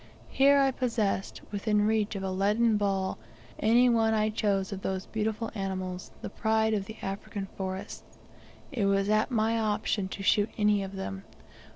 Here I possessed, within reach of a leaden ball, any one I chose of the beautiful animals, the pride of the African forests! It was at my option to shoot any of them!